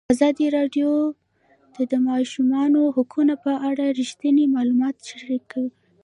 ازادي راډیو د د ماشومانو حقونه په اړه رښتیني معلومات شریک کړي.